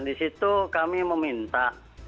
di situ kami meminta